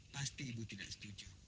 pasti ibu tidak setuju